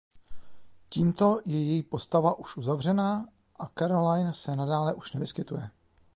Tímto je její postava už uzavřená a Caroline se nadále už nevyskytuje.